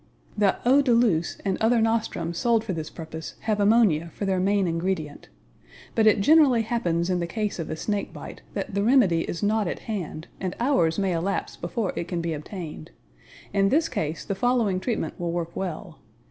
The "Eau de luce" and other nostrums sold for this purpose have ammonia for their main ingredient. But it generally happens in the case of a snake bite that the remedy is not at hand, and hours may elapse before it can be obtained. In this case the following treatment will work well.